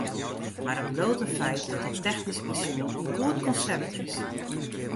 Mar it bliuwt in feit dat it technysk besjoen in goed konsept is.